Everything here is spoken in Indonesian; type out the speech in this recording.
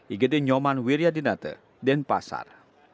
igd nyoman wiryadinate denpasar